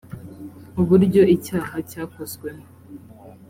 uburyo icyaha cyakozwemo